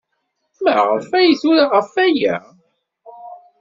Maɣef ay tura ɣef waya?